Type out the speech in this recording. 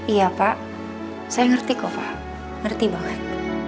iya pak saya ngerti kok pak ngerti banget